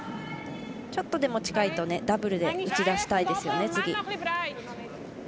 ちょっとでも近いとダブルで打ち出したいですよね、次。